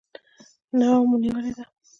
نوه مو نیولې ده.